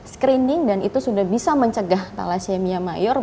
screening dan itu sudah bisa mencegah thalassemia mayor